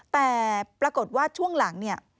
แต่ปรากฏว่าช่วงหลังเนี่ย